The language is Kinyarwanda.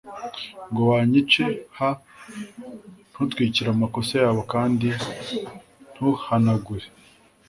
ngo banyice h Ntutwikire amakosa yabo kandi ntuhanagure